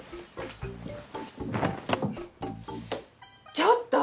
ちょっと！